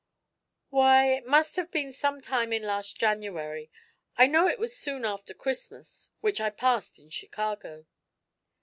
"Why, it must have been some time in last January. I know it was soon after Christmas, which I passed in Chicago."